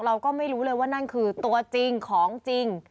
เราก็ไม่รู้เลยว่านั่นคือตัวจริงของจริง